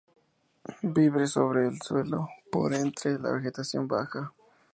Vive sobre el suelo, por entre la vegetación baja.